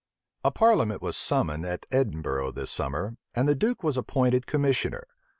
A parliament was summoned at Edinburgh this summer, and the duke was appointed commissioner.